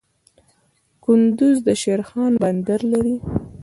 کندز د شیرخان بندر لري